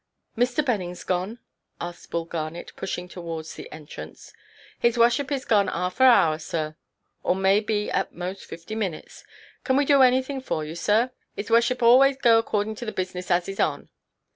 "Mr. Bennings gone?" asked Bull Garnet, pushing towards the entrance. "His wusship is gone arf an hour, sir; or may be at most fifty minutes. Can we do anything for you, sir? His wusship always go according to the business as is on."